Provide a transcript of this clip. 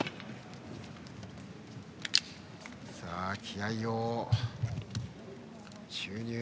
気合いを注入。